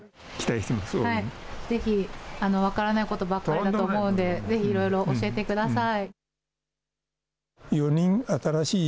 ぜひ、分からないことばっかりだと思うので、ぜひいろいろ教えてください。